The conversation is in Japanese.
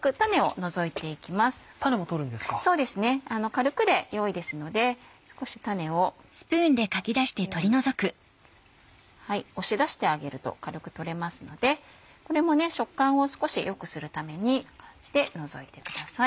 軽くでよいですので少し種をこのように。押し出してあげると軽く取れますのでこれも食感を少し良くするためにこんな感じで除いてください。